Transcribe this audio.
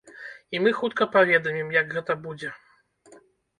І мы хутка паведамім, як гэта будзе.